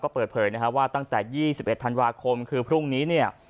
ก็เปิดเผยว่าตั้งแต่๒๑ธันวาคมคือพรุ่งนี้